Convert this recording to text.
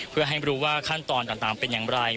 เพื่อให้รู้ว่าขั้นตอนต่างเป็นอย่างไร